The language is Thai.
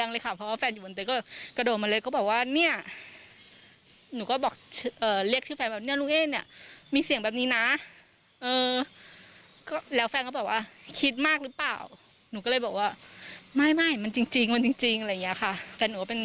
แล้วมันก็ได้ยินเสียงแบบนี้เลยค่ะ